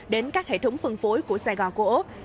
đến các hệ thống phân phối của sài gòn cô ốc